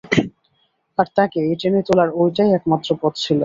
আর তাকে এই ট্রেনে তোলার ওটাই একমাত্র পথ ছিল।